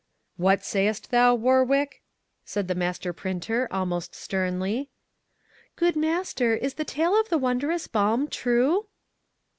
"What sayest thou, Warwick?" said the master printer, almost sternly. "Good master, is the tale of the wonderous balm true?"